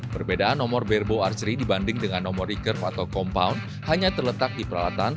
perbedaan nomor bareboarcery dibanding dengan nomor recurve atau compound hanya terletak di peralatan